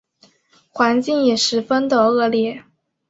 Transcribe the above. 环境也十分的恶劣